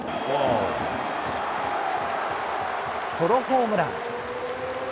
ソロホームラン。